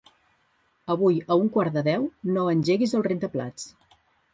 Avui a un quart de deu no engeguis el rentaplats.